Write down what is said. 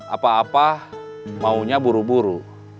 apa apa maunya buru buru